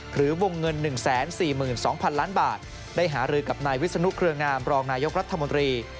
วงเงิน๑๔๒๐๐๐ล้านบาทได้หารือกับนายวิศนุเครืองามรองนายกรัฐมนตรี